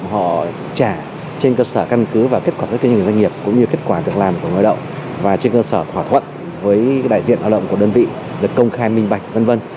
họ trả trên cơ sở căn cứ và kết quả giữa tình hình doanh nghiệp cũng như kết quả việc làm của người lao động và trên cơ sở thỏa thuận với đại diện lao động của đơn vị được công khai minh bạch v v